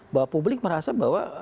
bahwa publik merasa bahwa